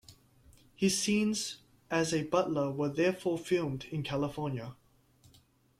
His scenes as a butler were therefore filmed in California.